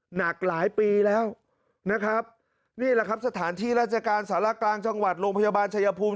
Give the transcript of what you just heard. หนักหลายปีแล้วนะครับนี่แหละครับสถานที่ราชการสารกลางจังหวัดโรงพยาบาลชายภูมิ